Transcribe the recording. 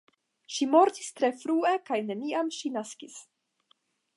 Ŝi mortis tre frue kaj neniam ŝi naskis.